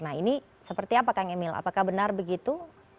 nah ini seperti apa kang emil apakah benar begitu